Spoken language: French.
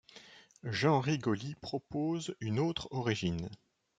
Jean Rigoli propose une autre origine.